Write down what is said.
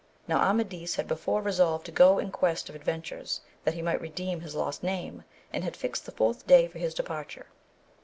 Now Amadis had before resolved to go in quest of ad ventures that he might redeem his lost name, and had fixed the fourth day for his departure.